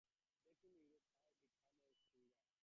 Back in Europe, he became a singer.